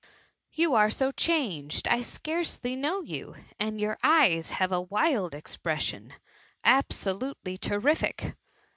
You are so changed, I scarcely know you, and your eyes have h wild expression, absolutely terrific.